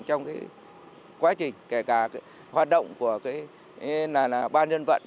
trong quá trình kể cả hoạt động của ban dân vận